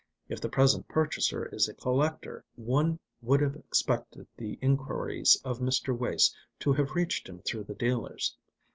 If the present purchaser is a collector, one would have expected the enquiries of Mr. Wace to have reached him through the dealers.